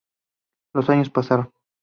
Los años pasaron.